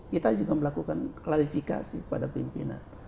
kita juga melakukan klarifikasi kepada pimpinan